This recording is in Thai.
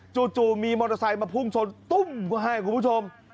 จู่มีมอเตอร์ไซค์มาพุ่งชนตุ้มก็ให้คุณผู้ชม